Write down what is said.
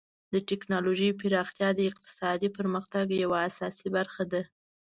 د ټکنالوژۍ پراختیا د اقتصادي پرمختګ یوه اساسي برخه ده.